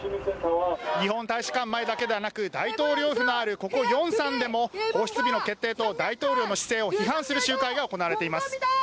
日本大使館前だけではなく大統領府のあるここ、龍山でも放出日の決定と大統領の姿勢を批判する集会が行われています。